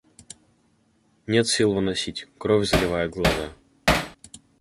Нет сил выносить, кровь заливает глаза.